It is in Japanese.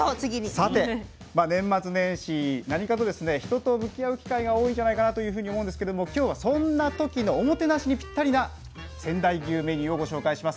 さて年末年始何かとですね人と向き合う機会が多いんじゃないかなというふうに思うんですけども今日はそんな時のおもてなしにぴったりな仙台牛メニューをご紹介します。